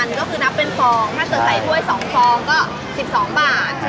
จะหมุดสาขอนค่ะ